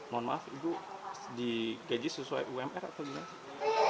mohon maaf itu dikeji sesuai umr atau gimana